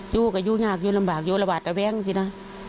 อยู่ก็อยู่ยากอยู่ลำบากอยู่ระหวาดระแวงสินะ